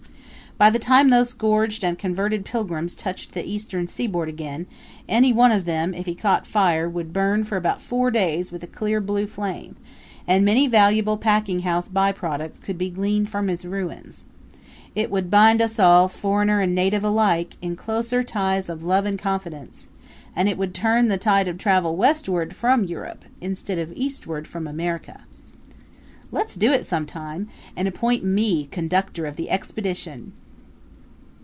By the time those gorged and converted pilgrims touched the Eastern seaboard again any one of them, if he caught fire, would burn for about four days with a clear blue flame, and many valuable packing house by products could be gleaned from his ruins. It would bind us all, foreigner and native alike, in closer ties of love and confidence, and it would turn the tide of travel westward from Europe, instead of eastward from America. Let's do it sometime and appoint me conductor of the expedition!